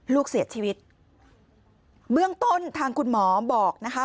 ลูกเสียชีวิตเบื้องต้นทางคุณหมอบอกนะคะ